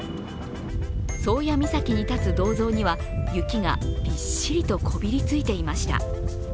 宗谷岬に建つ銅像には雪がびっしりとこびりついていました。